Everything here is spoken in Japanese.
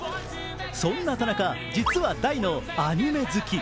そんな田中、実は大のアニメ好き。